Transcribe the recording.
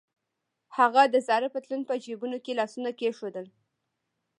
هغه د زاړه پتلون په جبونو کې لاسونه کېښودل.